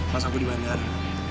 mas aku di bandara